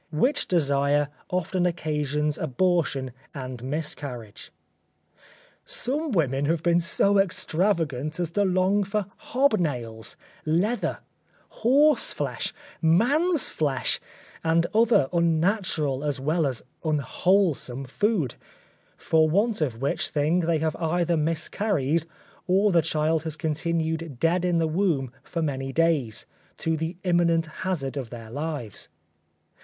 which desire often occasions abortion and miscarriage. Some women have been so extravagant as to long for hob nails, leather, horse flesh, man's flesh, and other unnatural as well as unwholesome food, for want of which thing they have either miscarried or the child has continued dead in the womb for many days, to the imminent hazard of their lives.